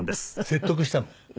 説得したの？